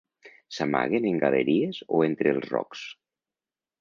S'amaguen en galeries o entre els rocs.